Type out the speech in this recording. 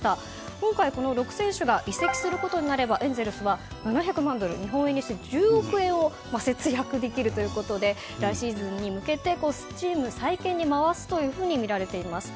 今回この６選手が移籍することになればエンゼルスは７００万ドル日本円にして１０億円を節約できるということで来シーズンに向けてチーム再建に回すとみられています。